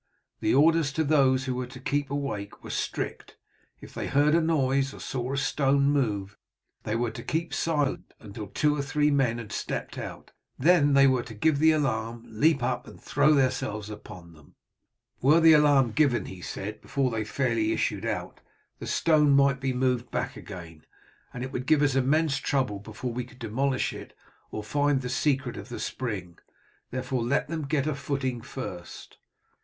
The orders to those who were to keep awake were strict If they heard a noise or saw a stone move they were to keep silent, until two or three men had stepped out, then they were to give the alarm, leap up, and throw themselves upon them. "Were the alarm given," he said, "before they fairly issued out the stone might be moved back again, and it would give us immense trouble before we could demolish it or find the secret of the spring. Therefore, let them get a footing first."